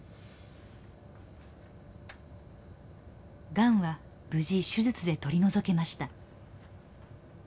がんは無事手術で取り除けました。